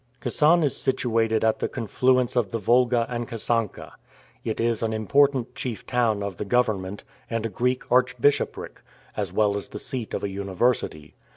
Kasan is situated at the confluence of the Volga and Kasanka. It is an important chief town of the government, and a Greek archbishopric, as well as the seat of a university.